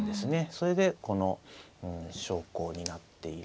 それでこの小考になっています。